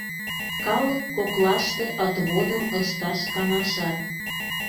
Калык коклаште отводым ышташ каҥашат.